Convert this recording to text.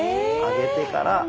上げてから。